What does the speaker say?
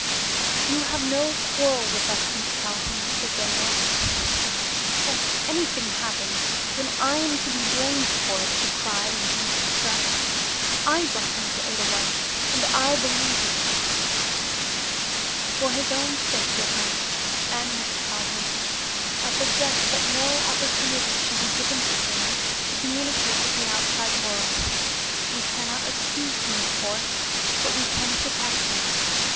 "You have no quarrel with us, Miss Calhoun," said Dangloss. "If anything happens, then, I am to be blamed for it," she cried in deep distress. "I brought him to Edelweiss, and I believe in him." "For his own sake, your highness, and Miss Calhoun, I suggest that no opportunity should be given him to communicate with the outside world. We cannot accuse him, of course, but we can protect him.